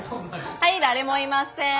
はい誰もいません。